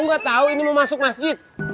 lu gak tau ini mau masuk masjid